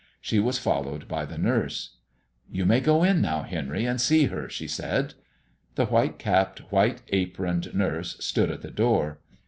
She was followed by the nurse. "You may go in now, Henry, and see her," she said. The white capped, white aproned nurse stood at the door.